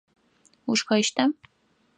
Ушхэщта?